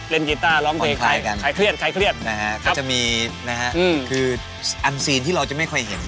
เล่นกีต้าร้องเพลงใครเครียดใครเครียดนะครับครับอืมคืออันซีนที่เราจะไม่ค่อยเห็น